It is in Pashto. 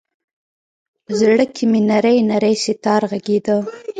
په زړه کې مــــــې نـــری نـــری ستار غـــــږیده